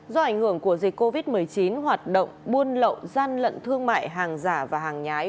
do ảnh hưởng của dịch covid một mươi chín hoạt động buôn lậu gian lận thương mại hàng giả và hàng nhái